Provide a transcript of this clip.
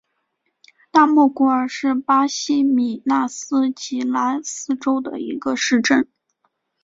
大莫古尔是巴西米纳斯吉拉斯州的一个市镇。